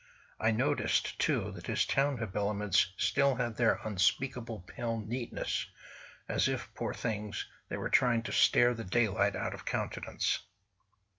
I noticed; too, that his town habiliments still had their unspeakable pale neatness, as if, poor things, they were trying to stare the daylight out of countenance.